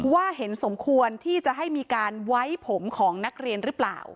เห็นสมควรที่จะให้มีการไว้ผมของนักเรียนหรือเปล่า